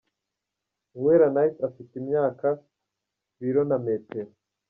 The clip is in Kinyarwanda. Uwera Nice afite imyaka , ibiro na metero .